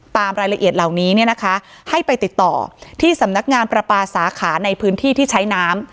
ตามรายละเอียดเหล่านี้เนี่ยนะคะให้ไปติดต่อที่สำนักงานประปาสาขาในพื้นที่ที่ใช้น้ำ